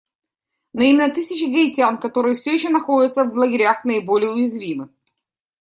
Но именно тысячи гаитян, которые все еще находятся в лагерях, наиболее уязвимы.